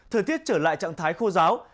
thời tiết trở lại trạng thái khô giáo